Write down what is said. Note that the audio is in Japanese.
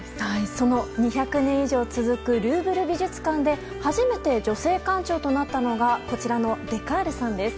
その２００年以上続くルーヴル美術館で初めて女性館長となったのがこちらのデ・カールさんです。